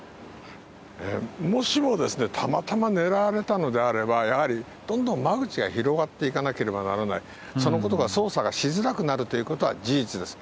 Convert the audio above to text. もしもですね、たまたま狙われたのであれば、やはりどんどん間口が広がっていかなければならない、そのことが捜査がしづらくなるということは事実です。